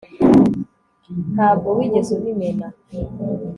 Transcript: ntabwo wigeze ubimena